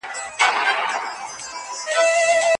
که نجونې درمل جوړول زده کړي نو دوا به نه کمیږي.